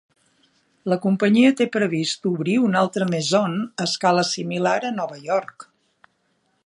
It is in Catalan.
La companyia té previst obrir una altra "Maison", a escala similar, a Nova York.